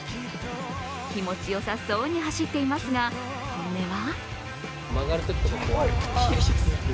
気持ちよさそうに走っていますが本音は？